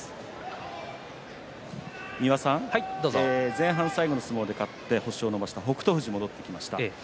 前半最後の相撲で勝って星を伸ばした北勝富士が戻ってきました。